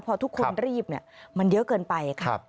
พอทุกคนรีบมันเยอะเกินไปค่ะ